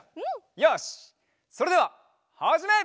よしそれでははじめ！